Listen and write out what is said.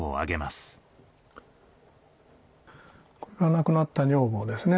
亡くなった女房ですね